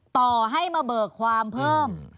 ต่อให้มาเบิกความเพิ่ม